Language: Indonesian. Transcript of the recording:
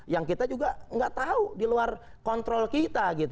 yang kita juga nggak tahu di luar kontrol kita